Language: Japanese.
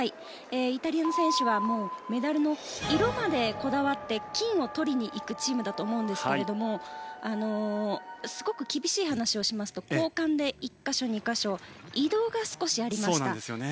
イタリアの選手はメダルの色までこだわって金を取りに行くチームだと思うんですがすごく厳しい話をしますと交換で１か所、２か所移動が少しありました。